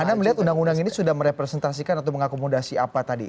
anda melihat undang undang ini sudah merepresentasikan atau mengakomodasi apa tadi